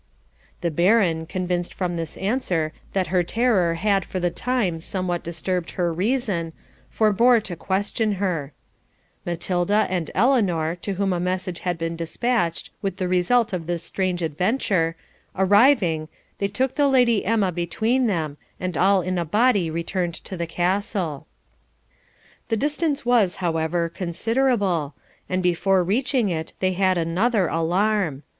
The Baron, convinced from this answer that her terror had for the time somewhat disturbed her reason, forbore to question her; and Matilda and Eleanor, to whom a message had been despatched with the result of this strange adventure, arriving, they took the Lady Emma between them, and all in a body returned to the castle. The distance was, however, considerable, and before reaching it they had another alarm.